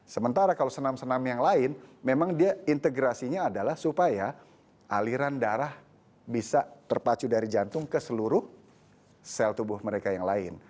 sementara kalau senam senam yang lain memang dia integrasinya adalah supaya aliran darah bisa terpacu dari jantung ke seluruh sel tubuh mereka yang lain